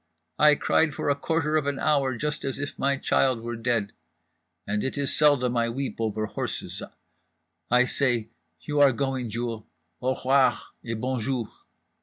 I cried for a quarter of an hour just as if my child were dead … and it is seldom I weep over horses—I say: you are going, Jewel, _au r'oir et bon jour.